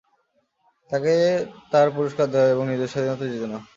তাকে তার পুরষ্কার দেও এবং নিজের স্বাধীনতা জিতে নাও।